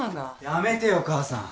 ・やめてよ母さん。